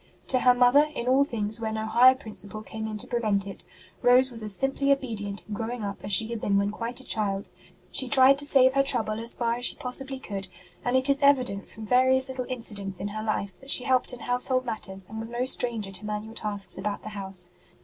To her mother, in all things where no higher ROSE S DOMESTIC LIFE 73 principle came in to prevent it, Rose was as simply obedient in growing up as she had been when quite a child ; she tried to save her trouble as far as she possibly could; and it is evident from various little incidents in her life that she helped in household matters and was no stranger to manual tasks about the house.